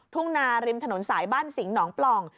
ทุ่งนาริมถนนสายบ้านสิงหองปล่อง